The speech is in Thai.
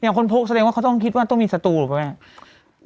คนพกแสดงว่าเขาต้องคิดว่าต้องมีสตูหรือเปล่าแม่